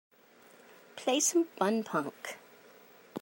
Play some fun-punk